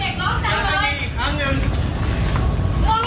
อยากให้พวกเองอีกครั้งนึงมึง